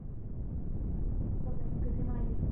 午前９時前です。